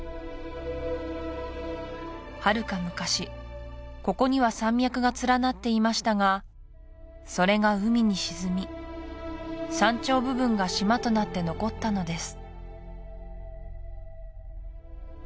はるか昔ここには山脈が連なっていましたがそれが海に沈み山頂部分が島となって残ったのです